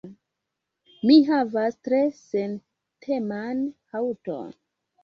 Mi havas tre senteman haŭton.